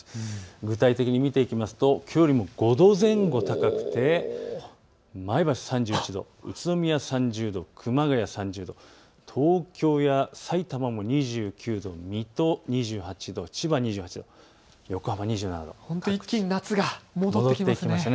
具体的に見ていきますときょうよりも５度前後高くて前橋３１度、宇都宮３０度、熊谷３０度、東京やさいたまも２９度、水戸２８度、千葉２８度、横浜２７度、一気に夏が戻ってきましたね。